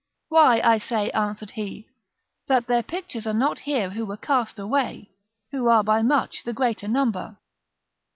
"Why, I say," answered he, "that their pictures are not here who were cast away, who are by much the greater number."